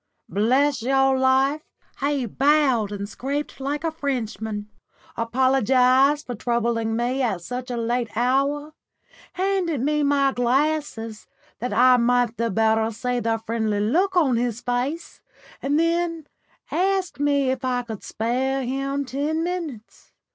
Bless your life, he bowed and scraped like a Frenchman, apologised for troubling me at such a late hour, handed me my glasses, that I might the better see the friendly look on his face, and then asked me if I could spare him ten minutes.